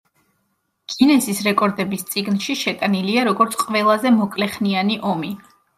გინესის რეკორდების წიგნში შეტანილია როგორც ყველაზე მოკლეხნიანი ომი.